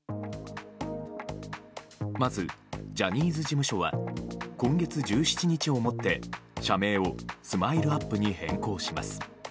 まずジャニーズ事務所は今月１７日をもって、社名をＳＭＩＬＥ‐ＵＰ．に変更します。